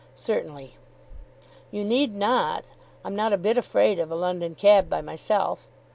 "Certainly." "You need not. I'm not a bit afraid of a London cab by myself."